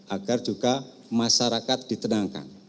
agar juga masyarakat ditenangkan